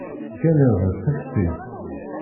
Kkan iḍ deg teftist.